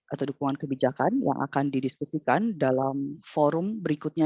atau dukungan kebijakan yang akan didiskusikan dalam forum berikutnya